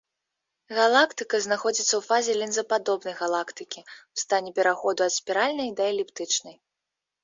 Галактыка знаходзіцца ў фазе лінзападобнай галактыкі ў стане пераходу ад спіральнай да эліптычнай.